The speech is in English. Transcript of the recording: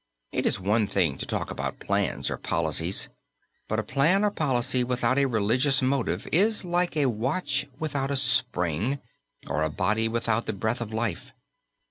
It is one thing to talk about plans or policies, but a plan or policy without a religious motive is like a watch without a spring or a body without the breath of life.